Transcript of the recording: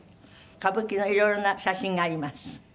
歌舞伎のいろいろな写真があります。